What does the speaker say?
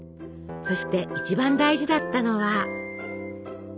そして一番大事だったのは。